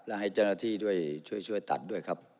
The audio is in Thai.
และให้เจ้าหน้าที่ด้วยช่วยตัดด้วยครับ